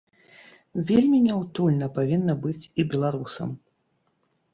Вельмі няўтульна павінна быць і беларусам.